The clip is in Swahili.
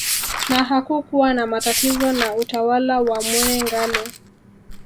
Na hakukuwa na matatizo na utawala wa Mwene Ngalu